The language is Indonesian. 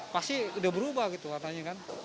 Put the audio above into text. pasti udah berubah gitu warnanya kan